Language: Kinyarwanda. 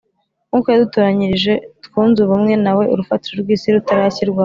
Nk uko yadutoranyije j twunze ubumwe na we urufatiro rw isi rutarashyirwaho